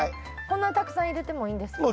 こんなにたくさん入れてもいいんですか？